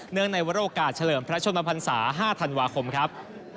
เนื่องในวัดโอกาสเฉลิมพระชมพันศา๕ธันวาคมครับ